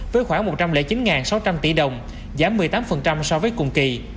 với khoảng một trăm linh chín sáu trăm linh tỷ đồng giảm một mươi tám so với cùng kỳ